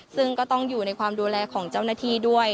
ซึ่งก็ต้องอยู่ในความดูแลของเจ้าหน้าที่ด้วย